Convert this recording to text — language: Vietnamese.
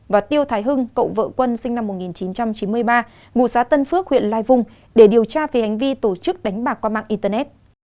và tiêu thái hưng cậu vợ quân sinh năm một nghìn chín trăm chín mươi ba ngụ xã tân phước huyện lai vung để điều tra về hành vi tổ chức đánh bạc qua mạng internet